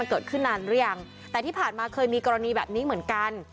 เกิดขึ้นนานหรือยังแต่ที่ผ่านมาเคยมีกรณีแบบนี้เหมือนกัน